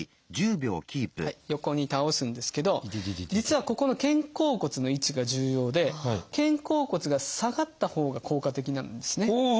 横に倒すんですけど実はここの肩甲骨の位置が重要で肩甲骨が下がったほうが効果的なんですね。